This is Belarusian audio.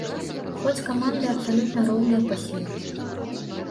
Хоць каманды абсалютна роўныя па сіле.